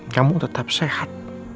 kamu tetap sehat